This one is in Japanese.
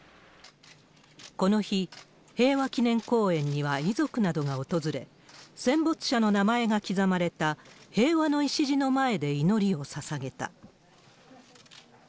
この日、平和祈念公園には遺族などが訪れ、戦没者の名前が刻まれた、平和の礎の前で祈りをささげた。